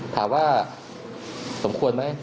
ถามว่าสมควรไหม